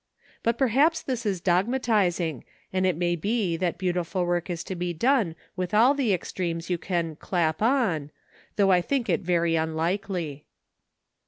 But perhaps this is dogmatising, and it may be that beautiful work is to be done with all the extremes you can "clap on," though I think it very unlikely.